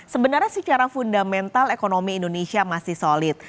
sebenarnya secara fundamental ekonomi indonesia masih solid